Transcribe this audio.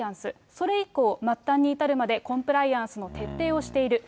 それ以降、末端に至るまでコンプライアンスの徹底をしている。